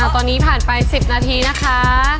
ตอนนี้ผ่านไป๑๐นาทีนะคะ